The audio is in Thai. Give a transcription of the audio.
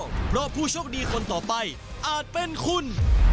เพราะผู้โชคดีคนต่อไปอาจเป็นคุณ